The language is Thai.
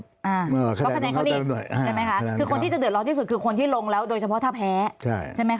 เพราะคะแนนเขาดีหน่อยใช่ไหมคะคือคนที่จะเดือดร้อนที่สุดคือคนที่ลงแล้วโดยเฉพาะถ้าแพ้ใช่ไหมคะ